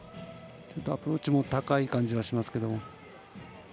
アプローチも高い感じがしますけど。